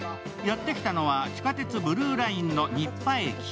やってきたのは地下鉄ブルーラインの新羽駅。